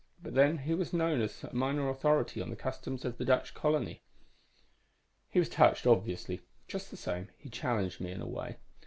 But then, he was known as a minor authority on the customs of the Dutch colony. "He was touched, obviously. Just the same, he challenged me, in a way.